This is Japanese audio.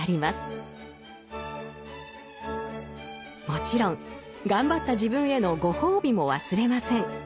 もちろん頑張った自分へのご褒美も忘れません。